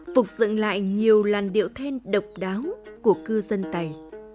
phục dựng lại nhiều làn điệu then độc đáo của cư dân tày